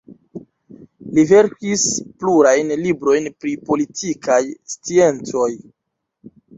Li verkis plurajn librojn pri politikaj sciencoj.